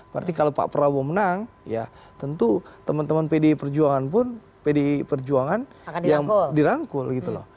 berarti kalau pak prabowo menang ya tentu teman teman pdi perjuangan pun pdi perjuangan yang dirangkul gitu loh